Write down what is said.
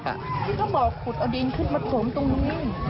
บ่อขุดเอาดินขึ้นมาสวมตรงนี้